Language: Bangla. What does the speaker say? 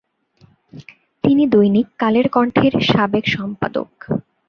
তিনি দৈনিক কালের কণ্ঠের সাবেক সম্পাদক।